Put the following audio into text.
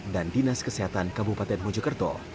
dinas kesehatan kabupaten mojokerto